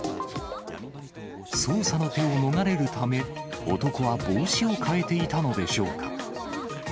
捜査の手を逃れるため、男は帽子を替えていたのでしょうか。